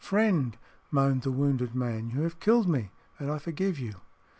"Friend," moaned the wounded man, "you have killed me, but I forgive you."